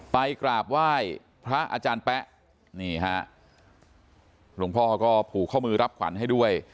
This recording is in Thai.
ไปกราบไหว้พระอาจารย์แป๊ะนี่ฮะหลวงพ่อก็ผูกข้อมือรับขวัญให้ด้วย